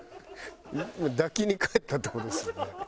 抱きに帰ったって事ですよね？